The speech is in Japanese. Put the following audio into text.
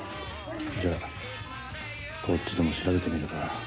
じゃこっちでも調べてみるか。